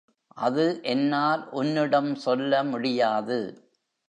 அது என்னால் உன்னிடம் சொல்ல முடியாது.